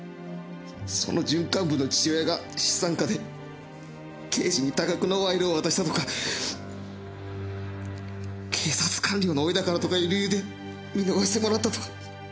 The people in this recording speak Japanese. その準幹部の父親が資産家で刑事に多額の賄賂を渡したとか警察官僚の甥だからとかいう理由で見逃してもらったとか。